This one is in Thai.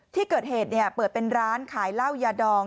ที่เกิดเหตุเปิดเป็นร้านขายเหล้ายาดอง